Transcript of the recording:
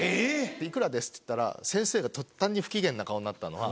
いくらですって言ってたら先生が途端に不機嫌な顔になったのは。